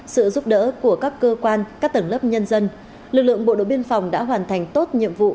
sự giúp đỡ của các cơ quan các tầng lớp nhân dân lực lượng bộ đội biên phòng đã hoàn thành tốt nhiệm vụ